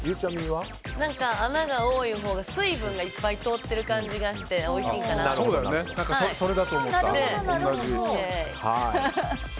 穴が多いほうが水分がいっぱい通っている感じがしておいしいかなと。